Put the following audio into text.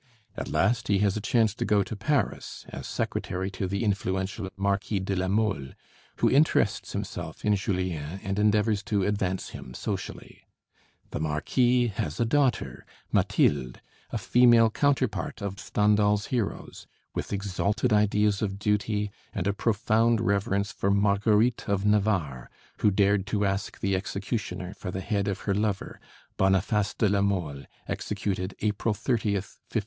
At last he has a chance to go to Paris, as secretary to the influential Marquis de La Mole, who interests himself in Julien and endeavors to advance him socially. The Marquis has a daughter, Mathilde, a female counterpart of Stendhal's heroes; with exalted ideas of duty, and a profound reverence for Marguerite of Navarre, who dared to ask the executioner for the head of her lover, Boniface de La Mole, executed April 30th, 1574.